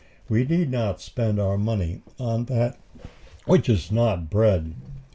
We need not spend our money on that which is not bread.